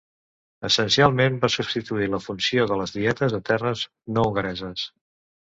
Essencialment, va substituir la funció de les dietes a terres no hongareses.